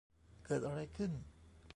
เกิดไรขึ้น ?